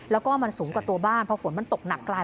แล้วก็มันสูงกว่าตัวบ้านพอฝนมันตกหนักกลาย